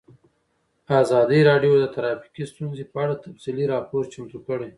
ازادي راډیو د ټرافیکي ستونزې په اړه تفصیلي راپور چمتو کړی.